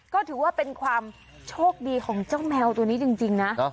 ก็ถือว่าเป็นความโชคดีของเจ้าแมวตัวนี้จริงนะ